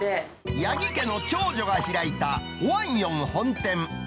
八木家の長女が開いた、ホアンヨン本店。